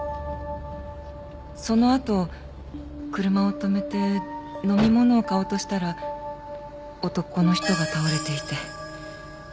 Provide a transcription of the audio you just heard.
そのあと車を止めて飲み物を買おうとしたら男の人が倒れていて。